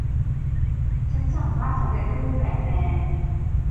ฉันสั่งบ้านสำเร็จรูปแบบแบน